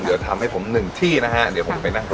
เดี๋ยวทำให้ผมหนึ่งที่นะฮะเดี๋ยวผมไปนั่งก่อน